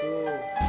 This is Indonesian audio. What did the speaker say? tidak bisa dikebuk